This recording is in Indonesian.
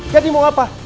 jadi mau apa